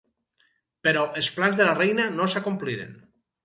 Però els plans de la reina no s'acompliren.